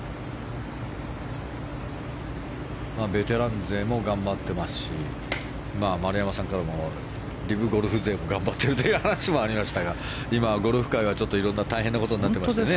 ベテラン勢も頑張っていますし丸山さんからもリブゴルフ勢も頑張っているという話もありましたが今、ゴルフ界は大変なことになってますね。